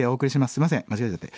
すいません間違えちゃって。